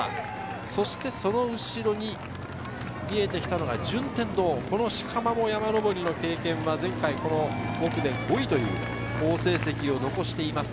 そして、その後ろに見えてきたのが順天堂・四釜も山上りの経験は前回５区で５位、好成績を残しています。